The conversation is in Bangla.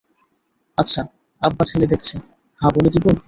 আচ্ছা, আব্বা ছেলে দেখছে, হ্যাঁ বলে দিবো?